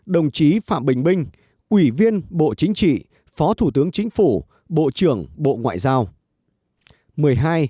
một mươi một đồng chí phạm bình binh ủy viên bộ chính trị phó thủ tướng chính phủ bộ trưởng bộ ngoại trưởng